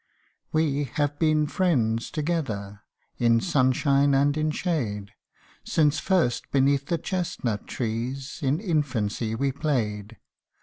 WE have been friends together, In sunshine and in shade ; Since first beneath the chesnut trees In infancy we played.